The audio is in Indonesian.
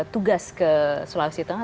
tugas ke sulawesi tengah